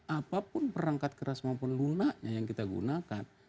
apapun perangkat keras maupun lunaknya yang kita gunakan